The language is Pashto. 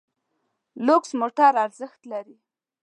لوکس موټر ارزښت لري.